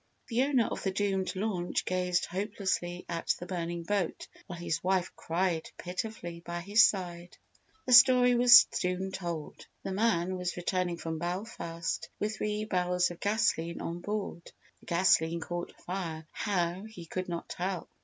The owner of the doomed launch gazed hopelessly at the burning boat while his wife cried pitifully by his side. Their story was soon told. The man was returning from Belfast with three barrels of gasoline on board. The gasoline caught fire how, he could not tell.